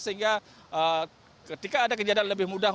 sehingga ketika ada kejadian lebih mudah